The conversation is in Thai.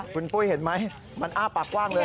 คุณปุ้ยเห็นไหมมันอ้าปากกว้างเลย